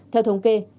theo thống kê